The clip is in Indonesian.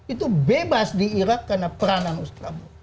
itu bebas di irak karena peranan ustaz abu